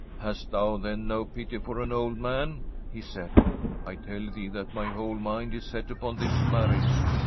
* Hast thou, then, no pity for an old man ?' he said. ' I tell thee that my whole mind is set upon this marriage.